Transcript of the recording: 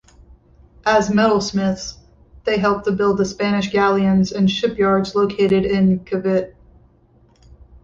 As metalsmiths, they helped to build the Spanish galleons in shipyards located in Cavite.